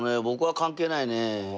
僕は関係ないね。